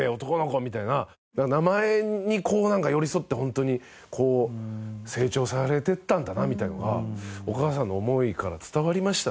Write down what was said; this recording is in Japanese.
名前に寄り添って本当にこう成長されていったんだなみたいのがお母さんの思いから伝わりましたねなんかね。